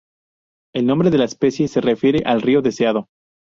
El nombre de la especie se refiere al Río Deseado.